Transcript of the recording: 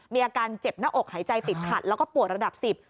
มีอาการเจ็บหน้าอกหายใจติดขัดแล้วก็ปวดระดับ๑๐